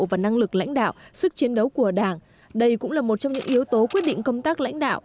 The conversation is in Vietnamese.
và năng lực lãnh đạo sức chiến đấu của đảng đây cũng là một trong những yếu tố quyết định công tác lãnh đạo